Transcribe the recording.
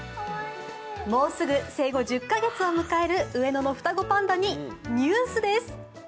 もうすぐ生後１０カ月を迎える上野の双子パンダにニュースです。